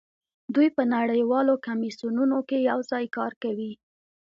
دوی په نړیوالو کمیسیونونو کې یوځای کار کوي